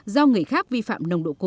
do người khác vi phạm